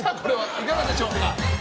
いかがでしょうか？